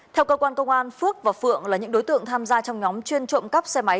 theo cơ quan công an phước và phượng là những đối tượng tham gia trong nhóm chuyên trộm cắp xe máy